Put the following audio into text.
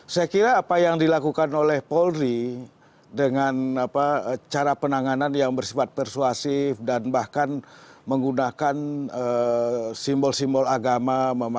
saya kira apa yang dilakukan oleh polri dengan cara penanganan yang bersifat persuasif dan bahkan menggunakan simbol simbol agama